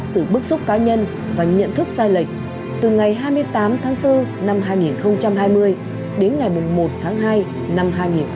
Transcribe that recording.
từ bức xúc cá nhân và nhận thức sai lệch từ ngày hai mươi tám tháng bốn năm hai nghìn hai mươi đến ngày một tháng hai năm hai nghìn hai mươi